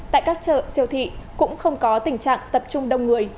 tại các chợ siêu thị cũng không có tình trạng tập trung đông người